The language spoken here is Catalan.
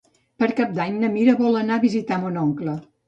Per Cap d'Any na Mira vol anar a visitar mon oncle.